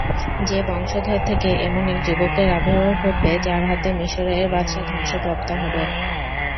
যে বংশধর থেকে এমন এক যুবকের আবির্ভাব ঘটবে যার হাতে মিসরের বাদশাহ ধ্বংসপ্রাপ্ত হবে।